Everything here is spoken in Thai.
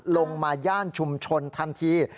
มาย่านชุมชนทันที